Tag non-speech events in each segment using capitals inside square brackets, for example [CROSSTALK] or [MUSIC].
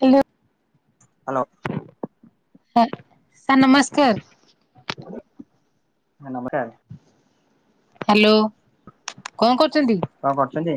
Hello. Hello. Sir sir ନମସ୍କାର। [UNINTELLIGIBLE] ନମକାର hello କଣ କରୁଚନ୍ତି? କଣ କରୁଚନ୍ତି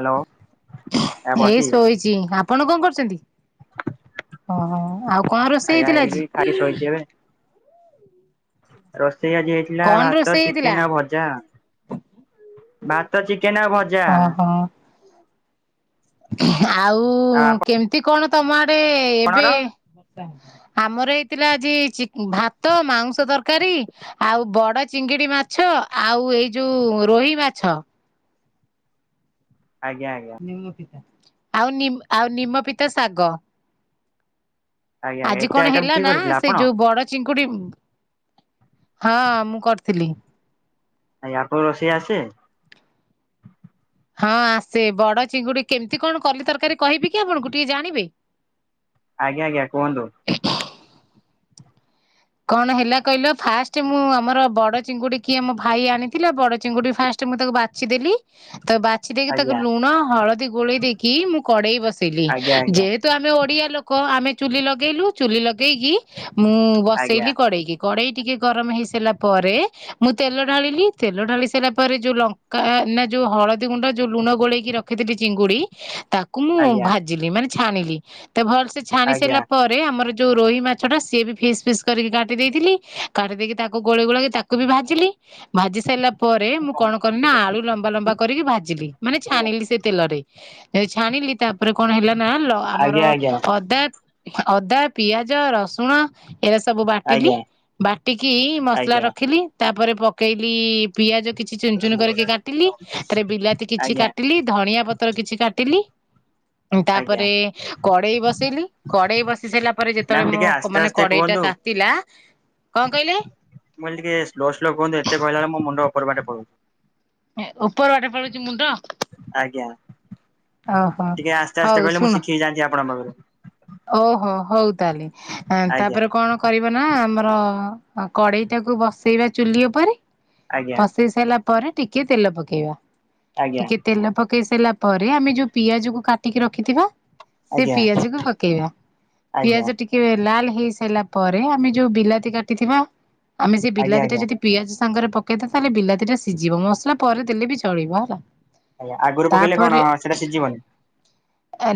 ହାଲୋ ଏଇ ଶୋଇଚି ଆପଣ କଣ କରୁଚନ୍ତି ଓହ ଆଉ କଣ ରୋଷେଇ ଆଜ୍ଞା ହେଇଥିଲା ଏଇ ବି ଆଜି? ଖାଇକି ଶୋଇଛି ଏବେ। ରୋଷେଇ ଆଜି ହେଇଥିଲା କଣ ଭାତ ରୋଷେଇ ହେଇଥିଲା? ଚିକେନ ଆଉ ଭ ଜା ଭାତ ଚିକେନ ଆଉ ଭ ଅହ ଆଉ କେମିତି କଣ ତମ ଆଡେ ଆପଣର ଏବେ ଆମର ଏଇଥିଲା ଆଜି ଚି ଭାତ ମାଉଁସ ତରକାରୀ। ଆଉ ବଡ ଚିଙ୍ଗିଡି ମାଛ ଆଉ ଏଇ ଯୋଉ ରୋହି ମାଛ। ଆଜ୍ଞା ଆଜ୍ଞା। ଆଉ ନିମ୍ ଆଉ ନିମପିତା ଶାଗ। ଆଜ୍ଞା ଆଜି ଏତେ କଣ ଆଇଟମ ହେଲା କିଏ ନା କରିଥିଲେ ସେ ଆପଣ? ଯୋଉ ବଡ ଚିଙ୍କୁଡି ହଁ ମୁଁ କରିଥିଲି। ଆଜ୍ଞା ଆପଣ ରୋଷେଇ ଆସେ? ହଁ ଆସେ ବଡ ଚିଙ୍ଗୁଡି କେମିତି କଣ କଲି ତରକାରୀ କହିବି କି ଆପଣଙ୍କୁ ଟିକେ ଜାଣିବେ? ଆଜ୍ଞା ଆଜ୍ଞା କୁହନ୍ତୁ। କଣ ହେଲା କହିଲ ଫାଷ୍ଟେ ମୁଁ ଆମର ବଡ ଚିଙ୍ଗୁଡି କି ଆମ ଭାଇ ଆଣିଥିଲେ ବଡ ଚିଙ୍ଗୁଡି ଫାଷ୍ଟେ ମୁଁ ତାକୁ ବା ବାଛି ଦେଲି ତ ବା ଛି ଦେଇକି ତାକୁ ଆଜ୍ଞା ଲୁଣ ହଳଦୀ ଗୋଳେଇ ଦେଇକି ମୁଁ କଡେଇ ବସେଇଲି ଆଜ୍ଞା ଆଜ୍ଞା ଯେ ତ ଆମେ ଓଡିଆ ଲୋକ ଆମେ ଚୁଲି ଲଗେଇଲୁ ଚୁଲି ଲଗେଇକି ମୁଁ ଆଜ୍ଞା ବସେଇଲି କଡେଇକି କଡେଇ ଟିକେ ଗରମ ହେଇସାରିଲା ପରେ ମୁଁ ତେଲ ଢାଳିଲି ତେଲ ଢାଳି ସାରିଲା ପରେ ଯୋଉ ଲଙ୍କା ନା ଯୋଉ ହଳଦୀ ଗୁଣ୍ଡ ଯୋଉ ଲୁଣ ଗୋଳେଇକି ରଖିଥିଲି ଚିଙ୍ଗୁଡି ତାକୁ ମୁଁ ଆଜ୍ଞା ଭାଜିଲି ମାନେ ଛାଣିଲି ତ ଭଲ ସେେ ଛାଣି ଆଜ୍ଞା ସାରିଲା ପରେ ଆମର ଯୋଉ ରୋହି ମାଛଟା ସିଏ ବି ଫିସ୍ ଫିସ୍ କରିକି କାଟି ଦେଇଥିଲି କାଟି ଦେଇକି ତାକୁ ଗୋଳ ଗୋଳଇ କି ତାକୁ ବି ଭାଜିଲି ଭାଜି ସାରିଲା ପରେ ପରେ ମୁଁ କଣ କଲି ନା ଆଜ୍ଞା ଆଳୁ ଲମ୍ବା ଲମ୍ବା କରିକି ଭାଜିଲି ମାନେ ଛାଣିଲି ସେ ତେଲରେ ଯଦି ଛାଣିଲି ତା ଉପରେ କଣ ହେଲା ନା ଆଜ୍ଞା ଆମର ଆଜ୍ଞା ଅଦା ଅଦା ପିଆଜ ରସୁଣ ଏରେ ସବୁ ବାଟିଲି ଆଜ୍ଞା ବାଟିକି ମସଲା ରଖିଲି ତାପରେ ପକେଇଲି ପିଆଜ କିଛି ଚୁନ ଚୁନ କରିକି କାଟିଲି ତାରେ ବିଲାତି କିଛି ଆଜ୍ଞା କାଟିଲି ଧଣିଆ ପତ୍ର ର କିଛି କାଟିଲି। ତାପରେ ଆଜ୍ଞା କଡେଇ ବସେଇଲି କଡେଇ ବସି ସାରିଲା ପରେ ମ୍ୟାମ ଯେତେବେଳେ ଟିକେ ମୁଁ ଆସ୍ତେ ମାନେ ଆସ୍ତେ କଡେଇଟା କୁହନ୍ତୁ ତାତିଲା କଣ କହିଲେ। ମୁଁ କହିଲି ଟିକେ ସ୍ଲୋ ସ୍ଲୋ କୁହନ୍ତୁ ଏତେ କହିଲ ବେଳକୁ ମୋ ମୁଣ୍ଡ ଉପର ବାଟେ ପଳାଉଛି। ଉପର ବାଟେ ପଳଉଛି ମୁଣ୍ଡ। ଆଜ୍ଞା ଓହୋ ଟିକେ ଆସ୍ତେ ହଉ ଆସ୍ତେ କହିଲେ ମୁଁ ଶୁଣ ଶିଖିକି ଯାଆନ୍ତି ଆପଣଙ୍କ ପାଖରୁ। ଓହୋ ହଉ ତାହେଲେ ଆଜ୍ଞା ତାପରେ କଣ କରିବ ନା ଆମର କଡେଇ ଟାକୁ ବସେଇବା ଚୁଲି ଉପରେ ଆଜ୍ଞା ବସେଇ ସାରିଲା ପରେ ଟିକେ ତେଲ ପକେଇବା ଆଜ୍ଞା ଟିକେ ତେଲ ପକେଇ ସାରିଲା ପରେ ଆମେ ଯୋଉ ପିଆଜକୁ କାଟିକି ରଖିଥିବା। ସେ ଆଜ୍ଞା ପିଆଜକୁ ପକେଇବା ଆଜ୍ଞା ଆଜ୍ଞା ପିଆଜ ଟିକେ ଲାଲ ହେଇ ସାରିଲା ପରେ ଆମେ ଯୋଉ ବିଲାତି କାଟିଥିବା ଆମେ ସେ ବିଲାତି ଟା ଆଜ୍ଞା ଯଦି ପିଆଜ ସାଙ୍ଗରେ ପକେଇଦବା ତାହେଲେ ବିଲାତି ଟା ସିଝିବ ମସଲା ପରେ ଦେଲେ ବି ଚଳିବ ହେଲା। ଆଜ୍ଞା ଆଗରୁ ପକେଇଲେ ତାପରେ କଣ ସେଟା ସିଝିବନି।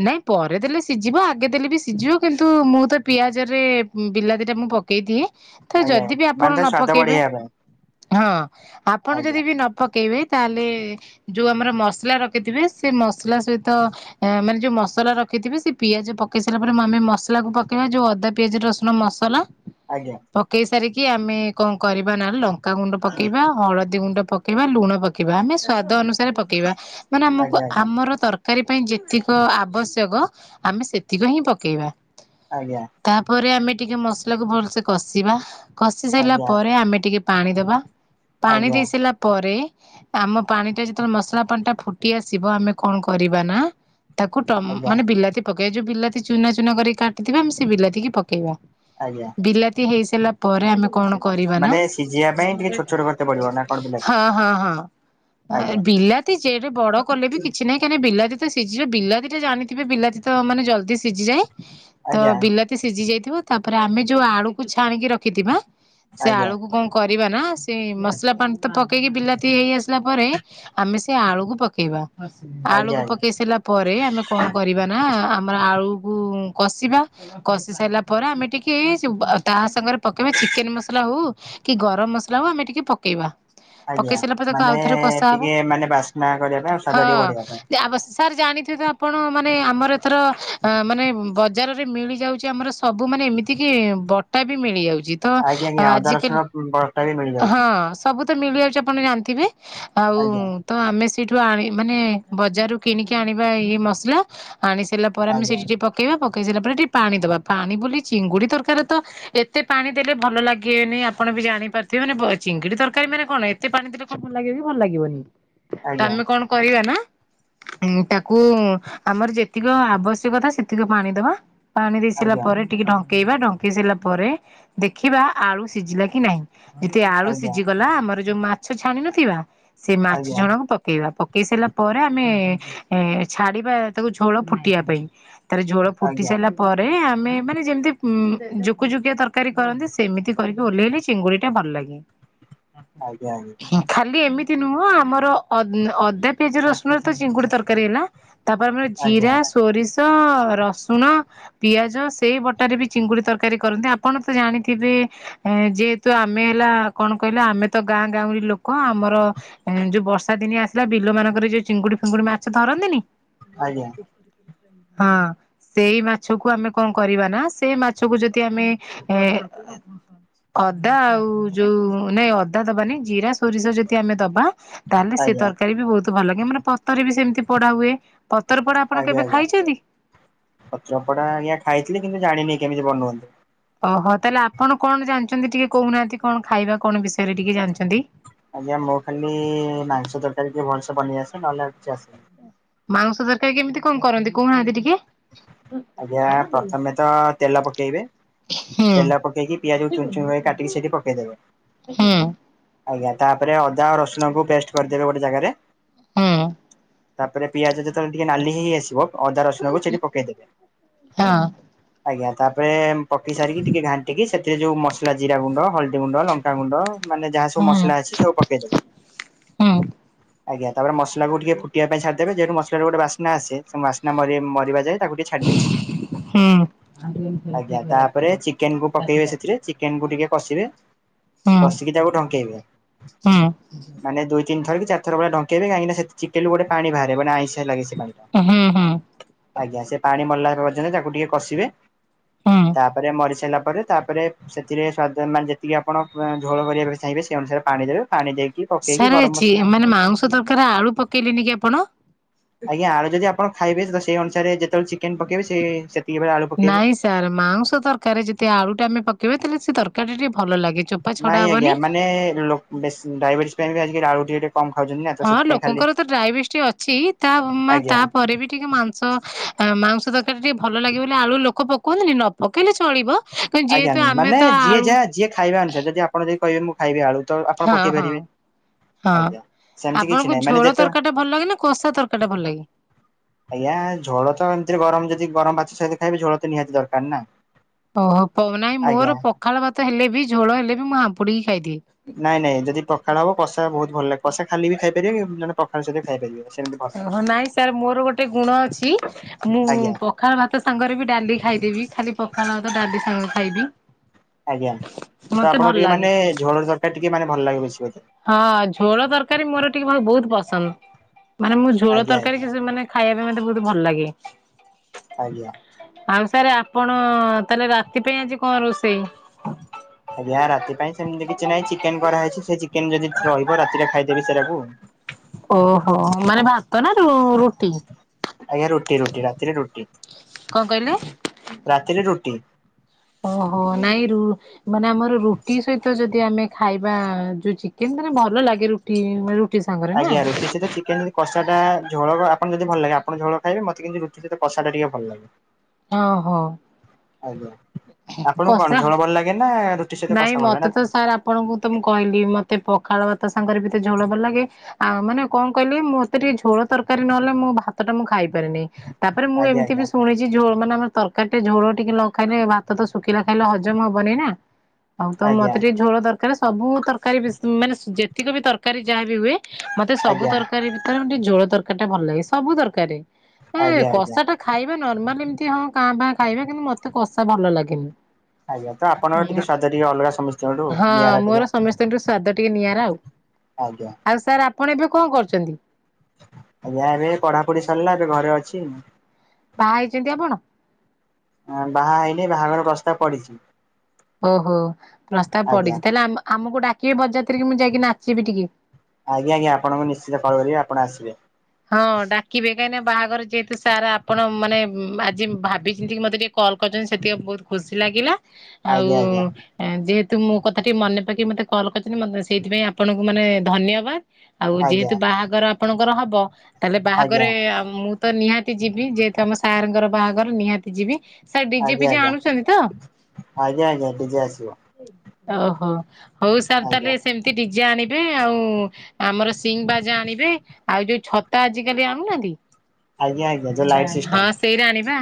ନାଇଁ ପରେ ଦେଲେ ସିଝିବ ଆଗେ ଦେଲେ ବି ସିଝିବ କିନ୍ତୁ ମୁଁ ତ ପିଆଜରେ ବିଲାତି ଟା ମୁଁ ପକେଇ ଦିଏ ତ ଆଜ୍ଞା ଯଦି ବି ଆପଣ ମାନେ ତା ନ ସ୍ଵାଦ ପକେଇବେ ବଢେଇବା ପାଇଁ ହଁ ଆପଣ ଯଦି ଆଜ୍ଞା ବି ନ ପକେଇବେ ତାହେଲେ ଯୋଉ ଆମର ମସଲା ରଖିଥିବେ ସେ ମସଲା ସହିତ ମାନେ ଯୋଉ ମସଲା ରଖିଥିବେ ସେ ପିଆଜ ପକେଇ ସାରିଲା ପରେ ମୁ ଆମେ ମସଲାକୁ ପକେଇବା ଯୋଉ ଅଦା ପିଆଜ ରସୁଣ ମସଲା କଲା ଆଜ୍ଞା। ପକେଇ ସାରିକି ଆମେ କଣ କରିବା ନାଲେ ଲଙ୍କାଗୁଣ୍ଡ ପକେଇବା ଆଉ ହଳଦୀ ଗୁଣ୍ଡ ପକେଇବା ଲୁଣ ପକେଇବା ଆମେ ସ୍ଵାଦ ଅନୁସାରେ ପକେଇବା ମାନେ ଆମକୁ ଆଜ୍ଞା ଆମର ତରକାରୀ ତରକାରୀ ପାଇଁ ଯେତିକ ଆବଶ୍ୟକ ଆମେ ସେତିକି ହିଁ ପକେଇବା। ଆଜ୍ଞା। ତାପରେ ଆମେ ଟିକେ ମସଲା କୁ ଭଲସେ କଷିବା କଷି ସାରିଲା ଆଜ୍ଞା ପରେ ଆମେ ଟିକେ ପାଣି ଦବା ପାଣି ଆଜ୍ଞା ଆଜ୍ଞା ଦେଇ ସାରିଲା ପରେ ଆମ ପାଣି ଟା ଯେତେବେଳେ ମସଲା ପାଣି ଟା ଫୁଟି ଆସିବ ଆମେ କଣ କରିବା ନା ତାକୁ ଆଜ୍ଞା ମାନେ ବିଲାତି ପକେଇବା ଯୋଉ ବିଲାତି ଚୁନା ଚୁନା କରିକି କାଟିଥିବା ଆମେ ସେ ବିଲାତି କି ପକେଇବା। ଆଜ୍ଞା। ବିଲାତି ହେଇସାରିଲା ପରେ ଆମେ କଣ କରିବା ମାନେ ନା ସିଝିବା ପାଇଁ ଟିକେ ଛୋଟ ଛୋଟ କରିତେ ପଡିବ ନା କଣ [UNINTELLIGIBLE] ବିଲାତି ହଁ ହଁ ହଁ। ଆଜ୍ଞା ବିଲାତି ଯେଡେ ବଡ କଲେ ବି କିଛି ନାହିଁ। କାଲି ବିଲାତି ତ ସିଝୀଯିବ ବିଲାତି ଟା ଜାଣିଥିବେ ବିଲାତି ତ ମାନେ ଜଲ୍ଦି ସିଝିଯାଏ ତ ଆଜ୍ଞା ବିଲାତି। ତି ସିଝି ଯାଇଥିବ ତାପରେ ଆମେ ଯୋଉ ଆଳୁ କୁ ଛାଣିକି ରଖିଥିବା ସେ ଆଜ୍ଞା ଆଳୁ କୁ କଣ କରିବା ନା ସେ ମସଲା ପାଣି ତ ପକେଇକି ବିଲାତି ହେଇ ଆସିଲା ପରେ ଆମେ ସେ ଆଳୁ କୁ ପକେଇବା। ଆଳୁ ଆଜ୍ଞା କୁ ଆଜ୍ଞା ପକେଇ ସାରିଲା ପରେ ଆମେ କଣ କରିବା ନା ଆମର ଆଳୁ କୁ କଷିବା। କଷି ସାରିଲା ପରେ ଆମେ ଟିକେ ସେ-ଆ, ତା ସାଙ୍ଗରେ ପକେଇବା ଚିକେନ୍ ମସଲା ହଉ କି ଗରମ ମସଲା ହଉ ଆମେ ଟିକେ ପକେଇବା। ଆଜ୍ଞା ପକେଇ ସାରିଲା ପରେ ତାକୁ ମାନେ ଆଉଥର କଷା ହବ। ଟିକେ ମାନେ ବାସ୍ନା କରିବା ପାଇଁ ଆଉ ସ୍ଵାଦ ଟିକେ ହଁ ବଢେଇବା ପାଇଁ ଯେ ଆବସ୍ ସାର୍ ଜାଣିଥିବେ ତ ଆପଣ ମାନେ ଆମର ଏଥର ଅଁ, ମାନେ ଉଁ, ବଜାରରେ ମିଳିଯାଉଛି ଆମର ସବୁ ମାନେ ଏମିତି କି ବଟା ବି ମିଳି ଯାଉଛି ତ ଆଜିିକାଲି ହୁଁ, ବଟା ବି ମିଳି ହଁ ସବୁ ତ ମିଳି ଯାଉଛି ଆପଣ ଜାଣିଥିବେ। ଆଉ ଆଜ୍ଞା ତ ଆମେ ସେଇଠୁ ଆଣି ମାନେ ବଜାରୁ କିଣିକି ଆଣିବା ଇଏ ମସଲା। ଆଣି ସାରିଲା ପରେ ଆମେ ଆଜ୍ଞା ସେଇଠି ଟିକେ ପକେଇବା ପକେଇ ସାରିଲା ପରେ ଟିକେ ପାଣି ଦବା। ପାଣି ବୋଲି ଚିଙ୍ଗୁଡ଼ି ତରକାରୀ ରେ ତ ଏତେ ପାଣି ଦେଲେ ଭଲ ଲାଗେନି ଆ ପଣ ବି ଜାଣି ପାରୁଥିବେ ମାନେ ବ-ଚିଙ୍ଗିଡି ତରକାରୀ ମାନେ କଣ ଏତେ ପାଣି ଦେଲେ କଣ ଲାଗିବ କି ଭଲ ଲାଗିବନି। ତ ଆଜ୍ଞା ଆମେ କଣ କରିବା ନା ଆମେ ତାକୁ ଆମର ଯେତିକି ଆବଶ୍ୟକତା ସେତିକ ପାଣି ଦବା। ପାଣି ଦେଇ ସାରିଲା ଆଜ୍ଞା ପରେ ଟିକେ ଢଙ୍କେଇବା। ଢଙ୍କେଇ ସାରିଲା ପରେ ଦେଖିବା ଆଳୁ ସିଝିଲା କି ନାହିଁ। ଯଦି ଆଳୁ ଆଜ୍ଞା ସିଝିଗଲା ଆମର ଯୋଉ ମାଛ ଛାଣି ନଥିବା ସେ ମାଛ ଆଜ୍ଞା ଛଣା କୁ ପ କେଇବା ପକେଇ ସାରିଲା ପରେ ଆମେ ଏ ଏ, ଛାଡିବା ତାକୁ ଝୋଳ ଫୁଟିବା ପାଇଁ। ତାର ଝୋଳ ଫୁଟି ଆଜ୍ଞା ସାଇଲା ପରେ ଆମେ ମାନେ ଯେମିତି ଉଁ, ଜୁକୁଜୁକିଆ ତରକାରୀ କରନ୍ତି ସେମିତି କରିକି ଓହ୍ଲେଇଲେ ଚିଙ୍ଗୁଡିି ଟା ଭଲ ଲାଗେ। ଆଜ୍ଞା, ଆଜ୍ଞା। ଖାଲି ଏମିତି ନୁହଁ ଆମର ଅ, ଅଦା ପିଆଜ ରସୁଣରେ ତ ଚିଙ୍ଗୁଡି ତରକାରୀ ହେଲା। ତାପରେ ଆମର ଆଜ୍ଞା ଜିରା, ସୋରିଷ, ରସୁଣ ପିଆଜ ସେଇ ବଟାରେରେ ବି ଚିଙ୍ଗୁଡି ତରକାରୀ କରନ୍ତି। ଆପଣ ତ ଜାଣିଥିବେ ଏ, ଯେ ତ ଆମେ ହେଲା କଣ କହିଲେ ଆମେ ତ ଗାଁ ଗାଉଁଲି ଲୋକ ଆମର ଏଁ, ଯୋଉ ବର୍ଷା ଦିନିଆ ଆସିଲା ବିଲ ମାନଙ୍କରେ ଯେ ଚିଙ୍ଗୁଡି ଫିଙ୍ଗୁଡି ମାଛ ଧରନ୍ତିନି? ଆଜ୍ଞା ହଁ। ସେଇ ମାଛକୁ ଆମେ କଣ କରିବା ନା, ସେ ମାଛକୁ ଯଦି ଆମେ ଏ ଅ ଦା ଆଉ ଯୋଉ ନାଇଁ ଅଦା ଦବାନି। ଜିରା ସୋରିଷ ଯଦି ଆମେ ଦବା ତାହେଲେ ସେ ଆଜ୍ଞା ଆଜ୍ଞା ତରକାରୀ ବି ବହୁତ ଭଲ। କି ମାନେ ପତର ରେ ବି ସେମତି ସେ ପୋଡା ହୁଏ। ପତର ପୋଡା ଆପଣ କେବେ ଆଜ୍ଞା ଖାଇଛନ୍ତି? ପତ୍ରପୋଡା ଆଜ୍ଞା ଖଇଥିଲି କିନ୍ତୁ ଜାଣିନି କେମିତି ବନନ୍ତି। ଓହୋ, ତାହେଲେ ଆପଣ କଣ ଜାଣିଛନ୍ତି ଟିକେ କହୁନାହାନ୍ତି କଣ ଖାଇବା କଣ ବିଷୟରେ ଟିକେ ଜାଣିଛନ୍ତି? ଆଜ୍ଞା ମଁ ଖାଲି ମାଂସ ତରକାରୀ ଟିକେ ଭଲସେ ବନେଇ ଆସେ ନହେଲେ ଆଉ କିଛି ଆସେନି। ମାଂସ ତରକାରୀ କେମିତି କଣ କରନ୍ତି କହୁନାହାନ୍ତି ଟିକେ? ଆଜ୍ଞା ପ୍ରଥମେ ତ ତେଲ ପକେଇବେ। ହୁଁ ତେଲ ପକେଇକି ପିଆଜକୁ ଚୁନ ଚୁନ କରି କାଟିକି ସେଠି ପକେଇଦେବେ। ହଁ। ଆଜ୍ଞା ତାପରେ ଅଦା ରସୁଣ କୁ ପେଷ୍ଟ କରିଦେବେ ଗୋଟେ ଜାଗାରେ। ହୁଁ ତାପରେ ପିଆଜ ଯେତେବେଳେ ଟିକେ ନାଲି ହେଇ ଆସିବ ଅଦା ରସୁଣକୁ ସେଠି ପକେଇଦେବେ। ହଁ। ଆଜ୍ଞା ତାପରେ ପକେଇ ସାରିକି ଟିକେ ଘାଣ୍ଟିକି ସେଥିରେ ଯୋଉ ମସଲା ଜିରା ଗୁଣ୍ଡ, ହଳଦୀ ଗୁଣ୍ଡ, ଲଙ୍କ ଲଙ୍କା ଗୁଣ୍ଡ ମାନେ ଯାହା ସବୁ ହୁଁ ମସଲା ଅଛି ସବୁ ପକେଇ ଦେବେ। ହୁଁ ଆଜ୍ଞ ତାରେ ମସଲାକୁ ଟିକେ ଫୁଟିବା ପାଇଁ ଛାଡିଦେବେ ଯାହେତୁ ମସଲା ର ଗୋଟେ ବା ସ୍ନା ସେ ମରି ମରିବା ଯାଏ ତାକୁ ଟିକେ ହୁଁ ଛାଡିଦେବେ। [UNINTELLIGIBLE] ଆଜ୍ଞା ତାପରେ ଚିକେନ କୁ ପକେଇବେ ସେଥିରେ ଚିକେନ କୁ ଟିକେ କଷିବେ। ବସିକି ତାକୁ ଡ଼ଙ୍କେଇବେ ହୁଁ ମାନେ ଦୁଇ। ତିନିଥର କି ଚାରିଥର ଭଳିଆ ଡଙ୍କେଇବେ କାହିଁକି ନାଁ ସେ ଚିକେନ ଗୋଟେ ପାଣି ବାହାରେ ମାନେ ଆଇଁସିଆ ଲାଗେ ସେ ପାଣି ଟା। ହୁଁ ହୁଁ ଆଜ୍ଞା ସେ ପାଣି ମରିଲା ପର୍ଯ୍ୟନ୍ତ ତାକୁ ଟିକେ କଷିବେ ହୁଁ ତାପରେ ମରି ସାରିଲା ପରେ। ତାପରେ ସେଥିରେ ସ୍ୱାଦ ମାନେ ଯେତିକି ଆପଣ ଝୋଳ କରିବା ଚାହିଁବେ ସେ ଅନୁସାରେ ପାଣି ଦେବେ ପାଣି ଦେଇକି ପକେଇକି ଗରମ ସାରେଜି ମସଲା ମାନେ ମାଉଂସ ତରକାରୀରେ ଆଳୁ ପକେଇଲେନି କି ଆପଣ। ଆଜ୍ଞା ଆଳୁ ଯଦି ଆପଣ ଖାଇବେ ତ ସେଇ ଅନୁସାରେ ଯେତେବେଳେ ଚିକେନ ପକେଇବେ ସେଇ ସେ ସେତିକି ବେଳେ ଆଳୁ ପକେଇବେ। ନାଇଁ ସାର ମାଉଁସ ତରକାରୀରେ ଯଦି ଆଳୁ ଟା ଆମେ ପକେଇବା ତାହେଲେ ସେ ତରକାରୀ ଟା ଟିକେ ଭଲ ଲାଗେ ଚପ। ନାଇଁ ଆଜ୍ଞା ମାନେ ଲୋକ୍ ବେଶ୍ ଡାଇବେଟିସ୍ ପାଇଁ ଆଳୁ ଟିକେ ଟିକେ କମ ଖାଉଛନ୍ତି ନା ତ ହଁ ସେଥିପାଇଁ ଖାଲି ଲୋକଙ୍କର ତ ଡାଇବେଟିସ୍ ଅଛି ତା ମାନ ଆଜ୍ଞା। ତାପରେ ବି ଟିକେ ମାଂସ। ମାଂସ ତରକାରି ଟା ଟିକେ ଭଲ ଲାଗିବ ବୋଲି ଆଳୁ ଲୋକ ପକନ୍ତିନି ନ ପକେଇଲେ ଚଳିବ। [UNINTELLIGIBLE] ଆଜ୍ଞା ଯେହେତୁ ଆମେ ମାନେ ତ ଯିଏ ଆଳୁ। ଯାହା ଯିଏ ଖାଇବା ଅନୁସାରେ ଯଦି ଆପଣ ଯଦି କହିବେ ମୁଁ ଖାଇବି ଆଳୁ ତ ଆପଣ ହଁ ପକେଇ ହଁ ପାରିବେ। ହଁ ଆଜ୍ଞା ସେମିତି କିଛି ଆପଣଙ୍କୁ ନାହିଁ ମାନେ ଝୋଳ ଯେତେ ତରକାରୀ ଟା ଭଲ ଲାଗେ ନା କଷା ତରକାରୀ ଟା ଭଲ ଲାଗେ? ଆଜ୍ଞା ଝୋଳ ତ ଏମିତିରେ ଗରମ ଯଦି ଗରମଭାତ ସହିତ ଖାଇବି ଝୋଳ ତ ନିହାତି ଦରକାର ନା। ଓହୋ ନାଇଁ ମୋର ଆଜ୍ଞା ପଖାଳ ଭାତ ହେଲେ ବି ଝୋଳ ହେଲେ ବି ମୁଁ ହାମ୍ପୁଡିକି ଖାଇଦିଏ। ନାଇଁ ନାଇଁ ଯଦି ପଖାଳ ହବ କଷା ବହୁତ ଭଲ ଲାଗେ କଷା ଖାଲି ବି ଖାଇପାରିବେ କିନ୍ତୁ [UNINTELLIGIBLE] ଓ ନାଇଁ ସାର ମୋର ଗୋଟେ ଗୁଣ ଅଛି ମୁଁ ଆଜ୍ଞା ପ ପଖାଳ ଭାତ ସାଙ୍ଗରେ ବି ଡାଲି ଖାଇଦେବି ଖାଲି ପଖାଳ ଭାତ ଡାଲି ସାଗ ଖାଇବି। ଆଜ୍ଞା ତ ମତେ ଭଲ ଆପଣଙ୍କୁ ଟିକେ ଲାଗେ ମାନେ ଝୋଳ ତରକାରୀ ଟିକେ ମାନେ ଭଲ ଲାଗେ ବେଶୀ ବୋଧେ। ହଁ ଝୋଳ ତରକାରୀ ମୋର ଟିକେ ବହୁତ ପସନ୍ଦ ମାନେ ମୁଁ ଝୋଳ ଆଜ୍ଞା ତରକାରୀ ଆଜ୍ଞା କି ମାନେ ଖାଇବା ପାଇଁ ମତେ ବହୁତ ଭଲ ଲାଗେ। ଆଜ୍ଞା। ଆଉ ସାର ଆପଣ ତାହେଲେ ରାତି ପାଇଁ ଆଜି କଣ ରୋଷେଇ? ଆଜ୍ଞା ରାତି ପାଇଁ ସେମିତି କିଛି ନାହିଁ ଚିକେନ କରାହେଇଛି ସେ ଚିକେନ ଯଦି ରହିବ ରାତିରେ ଖାଇଦେବି ସେଟାକୁ। ଓହୋ ମାନେ ଭାତ ନା ରୁ ରୁଟି? ଆଜ୍ଞା ରୁଟି ରୁଟି ରାତିରେ ରୁଟି। କଣ କହିଲେ? ରାତିରେ ରୁଟି। ଓହୋ ନାଇଁ ରୁ ମାନେ ଆମର ରୁଟି ସହିତ ଯଦି ଆମେ ଖାଇବା ଯୋଉ ଚିକେନ ତାହାଲେ ଭଲ ଲାଗେ ରୁଟି [UNINTELLIGIBLE] ନା ଆଜ୍ଞା ରୁଟି ସହିତ ଚିକେନ। କଷା ଟା ଝୋଳ ଆପଣ ଯଦି ଭଲ ଲାଗେ ଆପଣ ଝୋଳ ଖାଇବେ ମତେ କିନ୍ତୁ ରୁଟି ସହିତ କଷା ଟା ଟିକେ ଭଲ ଲାଗେ। ଓହୋଃ। ଆପଣଙ୍କୁ କଣ ଝୋଳ ଭଲ ଲାଗେ ନା ରୁଟି ସହିତ ନାଇଁ କଷା ଭଲ ମତେ ଲାଗେ ତ ନା। ସାର୍ ଆପଣଙ୍କୁ ତ ମୁଁ କହିଲି ମତେ ପଖାଳ ଭାତ ସାଙ୍ଗରେ ବି ତ ଝୋଳ ଭଲ ଲାଗେ। ଆଉ ମାନେ କଣ କହିଲି ମୋତେ ଟିକେ ଝୋଳ ତରକାରୀ ନହେଲେ ମୁଁ ଭାତ ଟା ମୁଁ ଖାଇପାରିନି। ତାପରେ ମୁଁ ଆଜ୍ଞା ଏମିତି ବି ଶୁଣିଛି। ଯଉ ଆମ ତରକାରୀ ଝୋଳ ଟିକେ ନ ଖାଇଲେ ଭାତ ତ ଶୁଖିଲା ଖାଇଲେ ହଜମ ହବନି ନା। ଆଉ ତ ଆଜ୍ଞା ଆଜ୍ଞା ମୋତେ ଟିକେ ଝୋଳ ଦରକାର ସବୁ ତରକାରୀ ମାନେ ଯେତିକ ବି ତରକାରୀ ଯାହାବି ହୁଏ। ମତେ ସବୁ ଆଜ୍ଞା ତରକାରୀ ଭିତରେ ଗୋଟେ ଝୋଳ ତରକାରୀ ଟା ଭଲ ଲାଗେ ସବୁ ତରକାରୀ ଏ ଆଜ୍ଞା ଆଜ୍ଞା। କଷା ଟା ଖାଇବା ନର୍ମାଲ ଏମିତି ହଁ କାଁ ଭାଁ ଖାଇବା କିନ୍ତୁ ମୋତେ କଷା ଭଲ ଲାଗେନି। ଆଜ୍ଞା ତ ଆପଣଙ୍କର ଟିକେ ସ୍ୱାଦ ଟିକେ ଅଲଗା ସମସ୍ତଙ୍କଠୁ ହଁ ନିଆରା ଟିକେ ମୋର ସମସ୍ତଙ୍କଠୁ ସ୍ଵାଦ ଟିକେ ନିଆରା ଆଉ। ଆଜ୍ଞା। ଆଉ ସାର୍ ଆପଣ ଏବେ କଣ କରୁଛନ୍ତି? ଆଜ୍ଞା ଏବେ ପଢ଼ା ପଢ଼ି ସରିଲା ଏବେ ଘରେ ଅଛି। ବାହା ହେଇଛନ୍ତି ଆପଣ? ବାହା ହେଇନି ବାହାଘର ପ୍ରସ୍ତାବ ପଡିଛି। ଓହୋ ପ୍ରସ୍ତାବ ଆଜ୍ଞା ପଡିଛି ତାହେଲେ ଆ ଆମକୁ ଡାକିବେ ବର ଯାତ୍ରୀରେ ମୁଁ ଯାଇକି ନାଚିବି ଟିକେ। ଆଜ୍ଞା ଆଜ୍ଞା ଆପଣଙ୍କୁ ନିଶ୍ଚିତ କଲ୍ କରିବି ଆପଣ ଆସିବେ। ହଁ ଡାକିବେ କାହିଁକି ନା ବାହାଘର ଯେହେତୁ ସାରା ଆପଣ ମାନେ ଆଜି ଭାବି ଚିନ୍ତିକି ମତେ ଟିକେ କଲ୍ କରିଛନ୍ତି ସେତିକି ବହୁତ ଖୁସି ଲାଗିଲା। ଆଉ ଆଜ୍ଞା ଆଜ୍ଞା ଯେହେତୁ ମୋ କଥା ଟିକେ ମନେ ପକେଇକି ମତେ କଲ୍ କରିଛନ୍ତି ମତେ ସେଇଥିପାଇଁ ଆପଣଙ୍କୁ ମାନେ ଧନ୍ୟବାଦ। ଆଉ ଆଜ୍ଞା। ଯେହେତୁ ବାହାଘର ଆପଣଙ୍କର ହବ ତାହେଲେ ଆଜ୍ଞା ଆଜ୍ଞା ବାହାଘରେ ମୁଁ ତ ନିହାତି ଯିବି ଯେହେତୁ ଆମ ସାର୍‌ ଙ୍କର ବାହାଘର ନିହାତି ଯିବି। ସେ ଡିଜେ ଫିଜେ ଆଜ୍ଞା ଆଣୁଛନ୍ତି ତ। ଆଜ୍ଞା ଆଜ୍ଞା ଡିଜେ ଆସିବ ଓହୋ ହୋଉ ସାର୍ ଆଜ୍ଞା ତାହେଲେ ସେମ୍ କି ଡିଜେ ଆଣିବେ ଆଉ ଆମର ସିଙ୍ଗ ବାଜା ଆଣିବେ। ଆଉ ଯୋଉ ଛ ଟା ଆଜିିକାଲି ଆଣୁନାହାନ୍ତି ଆଜ୍ଞା ଆଜ୍ଞା ଯୋଉ ଲାଇଟ୍ ସିଷ୍ଟମ ହଁ ସେଇରା ଆଣିବା।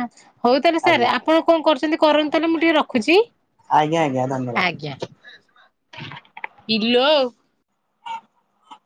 ହୋଉ ତାହେଲେ ସାର୍ ଆଜ୍ଞା ଆପଣ କଣ କରୁଛନ୍ତି କରନ୍ତୁ ତାହେଲେ ମୁଁ ଟିକେ ରଖୁଛି। ଆଜ୍ଞା ଆଜ୍ଞା ଧନ୍ୟବାଦ। କିଲୋ।